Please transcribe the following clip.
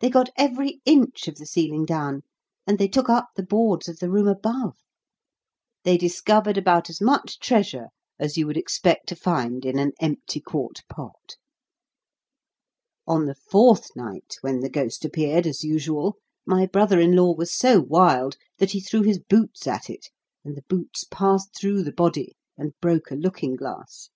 They got every inch of the ceiling down, and they took up the boards of the room above. They discovered about as much treasure as you would expect to find in an empty quart pot. On the fourth night, when the ghost appeared, as usual, my brother in law was so wild that he threw his boots at it; and the boots passed through the body, and broke a looking glass.